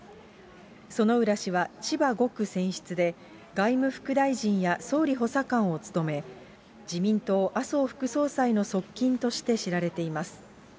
薗浦氏は千葉５区選出で、外務副大臣や総理補佐官を務め、自民党、麻生副総裁の側近として知られています。